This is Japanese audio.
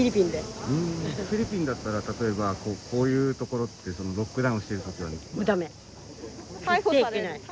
フィリピンだったら例えばこういうところってロックダウンしてる時は？